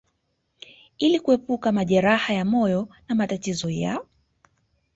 ili kuepuka majeraha ya moyo na matatizo ya